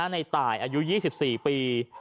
ในตายอายุ๒๔ปี